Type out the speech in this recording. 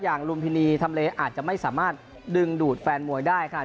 ลุมพินีทำเลอาจจะไม่สามารถดึงดูดแฟนมวยได้ค่ะ